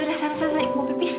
ya udah sana sana ibu mau pipis